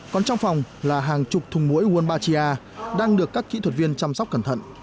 còn trong phòng là hàng chục thùng mũi wombatia đang được các kỹ thuật viên chăm sóc cẩn thận